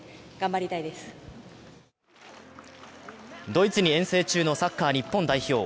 ドイツに遠征中のサッカー日本代表。